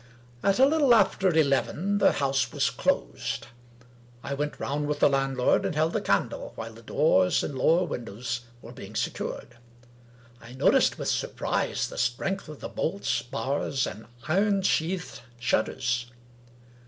At a little after eleven the house was closed. I went round with the landlord, and held the candle while the doors and lower windows were being secured. I noticed with surprise the strength of the bolts, bars, and iron sheathed shutters.